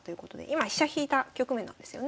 今飛車引いた局面なんですよね？